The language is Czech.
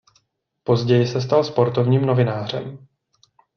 Později se stal sportovním novinářem.